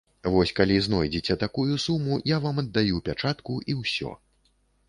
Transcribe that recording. Вось калі знойдзеце такую суму, я вам аддаю пячатку і ўсё.